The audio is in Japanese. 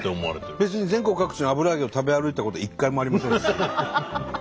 別に全国各地の油揚げを食べ歩いたことは一回もありませんし。